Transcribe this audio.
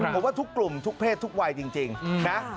ผมว่าทุกกลุ่มทุกเพศทุกวัยจริงนะ